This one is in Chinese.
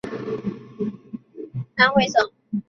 清朝为安徽省泗州盱眙。